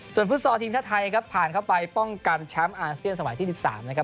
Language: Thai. ส่วนฟุตซอลทีมชาติไทยครับผ่านเข้าไปป้องกันแชมป์อาเซียนสมัยที่๑๓นะครับ